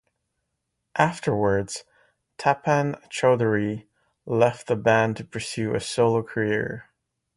Afterwards, Tapan Chowdhury left the band to pursue a solo career.